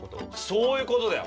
そういう事だよ。